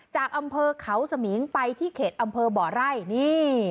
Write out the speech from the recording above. จากอำเภอเขาสมิงไปที่เขตอำเภอบ่อไร่นี่